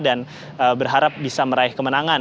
dan berharap bisa meraih kemenangan